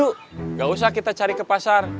tidak usah kita cari ke pasar